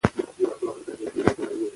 تنظيم د ماشوم ورځنی مهالوېش آسانوي.